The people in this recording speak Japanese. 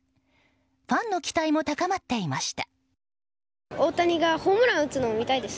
ファンの期待も高まっていました。